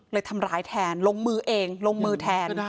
ทำร้ายแทนลงมือเองลงมือแทน